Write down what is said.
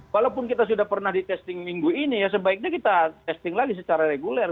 walaupun kita sudah pernah di testing minggu ini ya sebaiknya kita testing lagi secara reguler